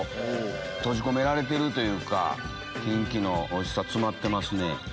閉じ込められてるというかキンキのおいしさ詰まってます。